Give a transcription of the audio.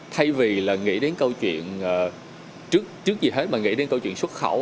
thay vì là nghĩ đến câu chuyện trước gì hết mà nghĩ đến câu chuyện xuất khẩu